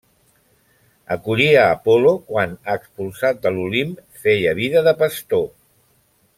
Acollí a Apol·lo quan, expulsat de l'Olimp, feia vida de pastor.